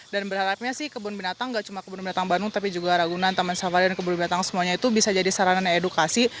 dan berharapnya sih kebun binatang gak cuma kebun binatang bandung tapi juga ragunan taman savalian kebun binatang semuanya itu bisa jadi saranan edukasi